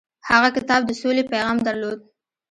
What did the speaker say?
هغه کتاب د سولې پیغام درلود.